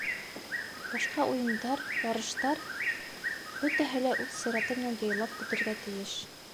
Башҡа уйындар, ярыштар - бөтәһе лә үҙ сираты менән яйлап үтергә тейеш.